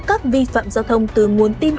các vi phạm giao thông từ nguồn tin